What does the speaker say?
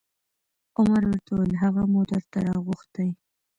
عمر ورته وویل: هغه مو درته راغوښتی